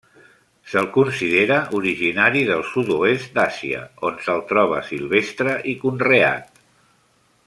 Se'l considera originari del sud-oest d'Àsia, on se'l troba silvestre i conreat.